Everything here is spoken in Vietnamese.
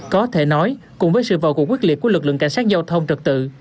có thể nói cùng với sự vào cuộc quyết liệt của lực lượng cảnh sát giao thông trật tự